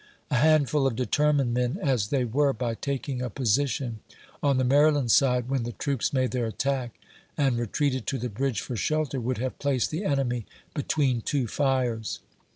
A handful of determined men, as they were, by taking a position on the Maryland side, when the troops made their attack and retreated to the bridge for shelter, would have placed the enemy between two fires.